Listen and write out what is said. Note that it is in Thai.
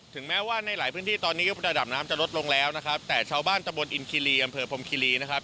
แม้ว่าในหลายพื้นที่ตอนนี้ก็ระดับน้ำจะลดลงแล้วนะครับแต่ชาวบ้านตะบนอินคิรีอำเภอพรมคิรีนะครับ